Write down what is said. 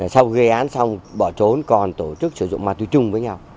sau gây án xong bỏ trốn còn tổ chức sử dụng ma túy chung với nhau